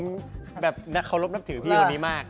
แบบเคารพนับถือพี่คนนี้มาก